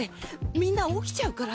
みんな起きちゃうから。